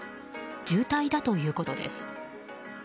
重体だということです。